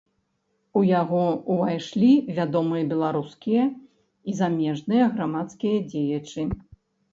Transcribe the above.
У яго ўвайшлі вядомыя беларускія і замежныя грамадскія дзеячы.